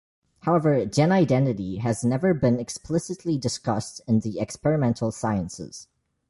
However, genidentity has never been explicitly discussed in the experimental sciences.